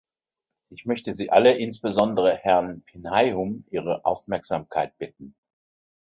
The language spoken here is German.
Ich möchte Sie alle insbesondere Herrn Pinheium Ihre Aufmerksamkeit bitten.